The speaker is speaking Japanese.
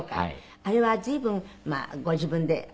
あれは随分まあご自分で。